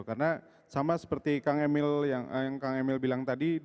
karena sama seperti kang emil yang kang emil bilang tadi